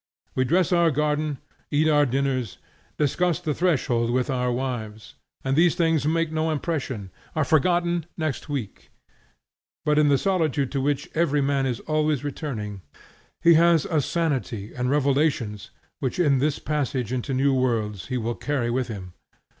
We dress our garden, eat our dinners, discuss the household with our wives, and these things make no impression, are forgotten next week; but, in the solitude to which every man is always returning, he has a sanity and revelations which in his passage into new worlds he will carry with him.